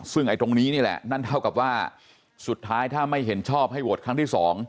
ซึ่งไอ้ตรงนี้นี่แหละนั่นเท่ากับว่าสุดท้ายถ้าไม่เห็นชอบให้โหวตครั้งที่๒